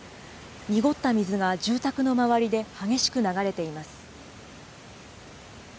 濁った水が住宅の周りで激しく流れています。